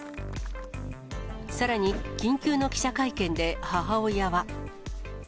さらに、緊急の記者会見で母親は。